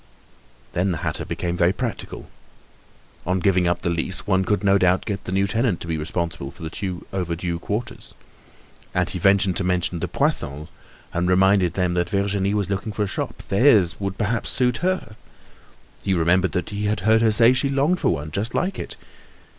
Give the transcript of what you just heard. Then the hatter became very practical. On giving up the lease one would no doubt get the new tenant to be responsible for the two overdue quarters. And he ventured to mention the Poissons, he reminded them that Virginie was looking for a shop; theirs would perhaps suit her. He remembered that he had heard her say she longed for one just like it.